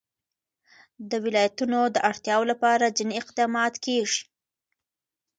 د ولایتونو د اړتیاوو لپاره ځینې اقدامات کېږي.